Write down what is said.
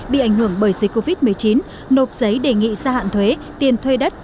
bị ảnh hưởng bởi dịch covid một mươi chín nộp giấy đề nghị gia hạn thuế tiền thuê đất